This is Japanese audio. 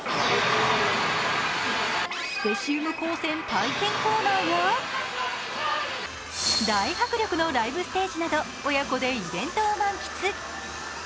スペシウム光線体験コーナーや、大迫力のライブステージなど親子でイベントを満喫。